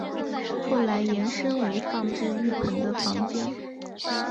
后来延伸为放置浴盆的房间。